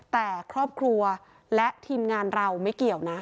แต่ครอบครัวและทีมงานเราไม่เกี่ยวนะ